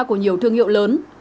của nhiều thương hiệu lớn